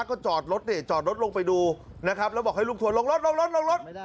ก็จอดรถนี่จอดรถลงไปดูนะครับแล้วบอกให้ลูกทัวร์ลงรถลงรถลงรถ